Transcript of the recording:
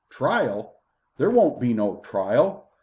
"Trial? There won't be no trial.